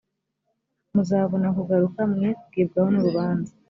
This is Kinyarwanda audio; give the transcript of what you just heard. muzabona kugaruka mwe kugibwaho n urubanza